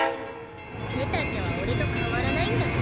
背丈はオレと変わらないんだゾ。